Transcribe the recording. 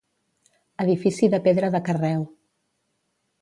Edifici de pedra de carreu.